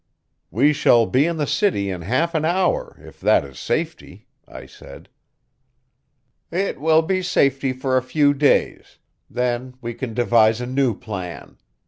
"We shall be in the city in half an hour, if that is safety," I said. "It will be safety for a few days. Then we can devise a new plan.